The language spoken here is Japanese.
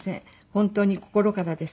本当に心からです」